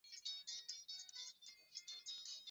Jaribu iwezekanavyo kusafiri mchana.